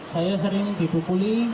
saya sering dipukuli